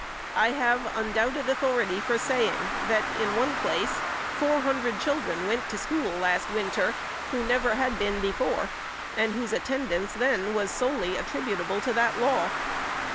I have undoubted authority for saying, that, in one place, four hundred children went to school, last winter, who never had been before, and whose attend ance then was solely attributable to that law.